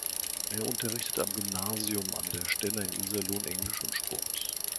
Er unterrichtet am Gymnasium An der Stenner in Iserlohn Englisch und Sport.